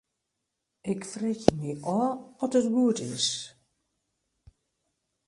Ik freegje my ôf oft dit goed is.